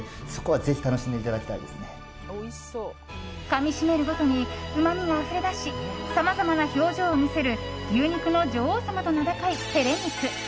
かみ締めるごとにうまみがあふれ出しさまざまな表情を見せる牛肉の女王様と名高いヘレ肉。